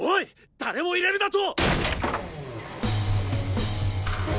誰も入れるなと！